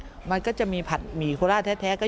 และของพี่จะมีสาขาอีกสาขานึงอยู่ที่กรุงเทพ